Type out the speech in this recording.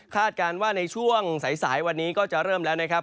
การว่าในช่วงสายวันนี้ก็จะเริ่มแล้วนะครับ